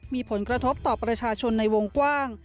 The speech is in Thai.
มีผลกระทบต่อประชาชนในวงกว้าง